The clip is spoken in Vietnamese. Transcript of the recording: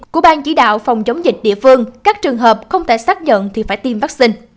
của bang chỉ đạo phòng chống dịch địa phương các trường hợp không thể xác nhận thì phải tiêm vaccine